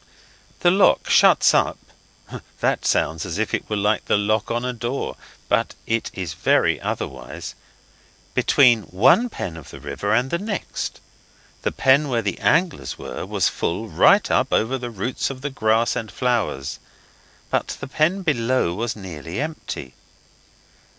The lock shuts up (that sounds as if it was like the lock on a door, but it is very otherwise) between one pen of the river and the next; the pen where the anglers were was full right up over the roots of the grass and flowers. But the pen below was nearly empty.